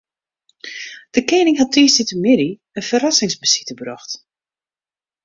De kening hat tiisdeitemiddei in ferrassingsbesite brocht.